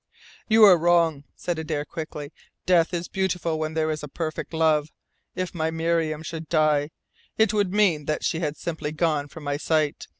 "You are wrong," said Adare quickly. "Death is beautiful when there is a perfect love. If my Miriam should die it would mean that she had simply gone from my SIGHT.